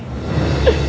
bisa diam ga sih